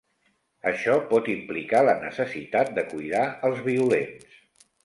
Això pot implicar la necessitat de cuidar els violents.